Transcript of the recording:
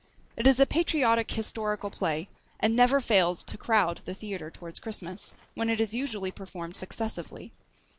It is a patriotic historical play, and never fails to crowd the theatre towards Christmas, when it is usually performed successively.